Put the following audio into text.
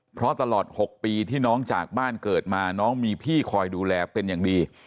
เพราะตลอด๖ปีที่น้องจากบ้านเกิดมาน้องมีพี่คอยดูแลเป็นอย่างดี